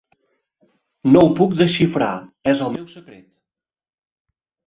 No ho puc desxifrar". "És el meu secret".